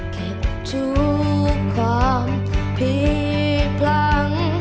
เก็บทุกความผิดพลั้ง